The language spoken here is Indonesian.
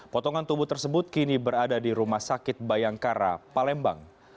potongan tubuh tersebut kini berada di rumah sakit bayangkara palembang